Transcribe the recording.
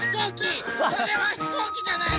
それはひこうきじゃないの？